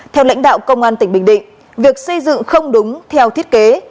theo lãnh đạo công an tỉnh bình định việc xây dựng không đúng theo thiết kế